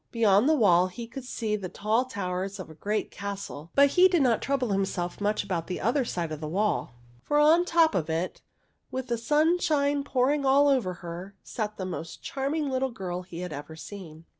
Beyond the wall he could see the tall towers of a great castle ; but he did not trouble himself much about the other side of the wall, for on the top of it, with the sunshine pouring all over her, sat the most charming little girl he had ever seen.